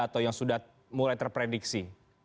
atau yang sudah mulai terprediksi